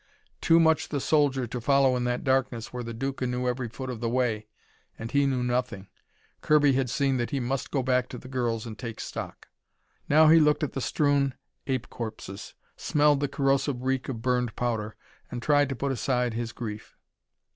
Too much the soldier to follow in that darkness where the Duca knew every foot of the way, and he knew nothing, Kirby had seen that he must go back to the girls and take stock. Now he looked at the strewn ape corpses, smelled the corrosive reek of burned powder, and tried to put aside his grief.